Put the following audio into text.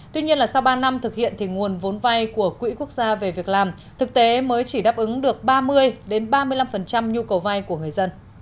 tuy nhiên là sau ba năm thực hiện thì nguồn vốn vay của quỹ quốc gia về việc làm thực tế mới chỉ đáp ứng được ba mươi ba mươi năm nhu cầu vay của người dân